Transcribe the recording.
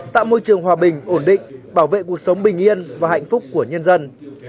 tạo môi trường hòa bình ổn định bảo vệ cuộc sống bình yên và hạnh phúc của nhân dân